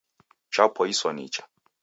Chapoiswa nicha